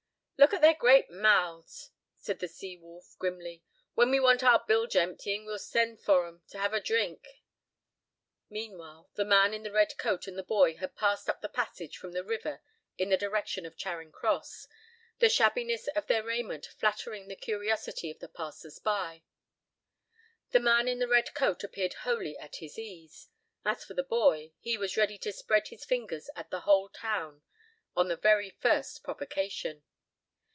"Look at their great mouths," said the sea wolf, grimly; "when we want our bilge emptying we'll send for 'em to have a drink." Meanwhile the man in the red coat and the boy had passed up the passage from the river in the direction of Charing Cross, the shabbiness of their raiment flattering the curiosity of the passers by. The man in the red coat appeared wholly at his ease. As for the boy, he was ready to spread his fingers at the whole town on the very first provocation.